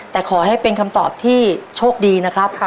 แต่ขอให้เป็นคำตอบที่โชคดีนะครับ